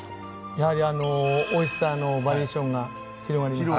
やはりおいしさのバリエーションが広がります。